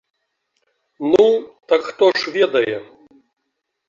Ну, так хто ж ведае?